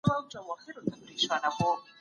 سياستپوهان د ټولني سياسي وضعيت په مسلکي توګه څېړي.